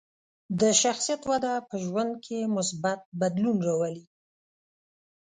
د شخصیت وده په ژوند کې مثبت بدلون راولي.